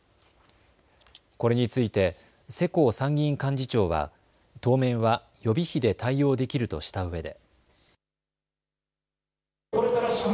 これについて世耕参議院幹事長は当面は予備費で対応できるとしたうえで。